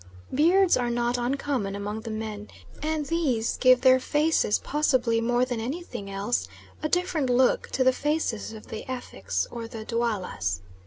Beards are not uncommon among the men, and these give their faces possibly more than anything else, a different look to the faces of the Effiks or the Duallas.